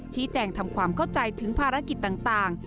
ชี้แจงทำความเข้าใจถึงภารกิจต่าง